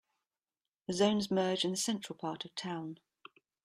The zones merge in the central part of town.